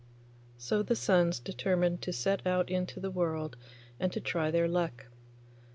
So the sons determined to set out into the world and to try their luck.